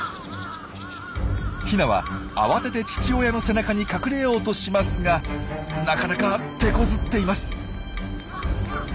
ヒナは慌てて父親の背中に隠れようとしますがなかなかてこずっています。